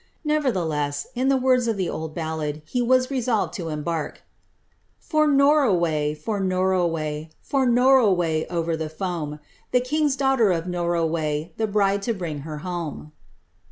Nevertheless, in the words of the old ballad, he was resolved to em htrk— •*For Norroway, for Norroway, For Norroway over the foam, Tho king's daughter of Norroway,' The bride to bring her home.'